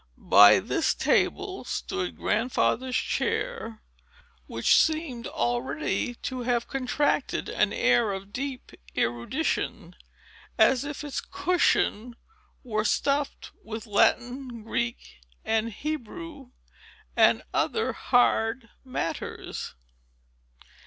By this table stood Grandfather's chair, which seemed already to have contracted an air of deep erudition, as if its cushion were stuffed with Latin, Greek, and Hebrew, and other hard matters.